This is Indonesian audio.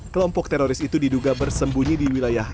kelompok teroris itu diduga bersembunyi di wilayah